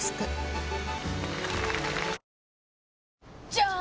じゃーん！